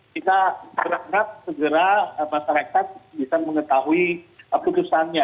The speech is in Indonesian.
kita berangkat segera masyarakat bisa mengetahui keputusannya